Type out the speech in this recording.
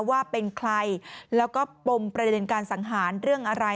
ว่าเป็นใครแล้วก็ปมประเด็นการสังหารเรื่องอะไร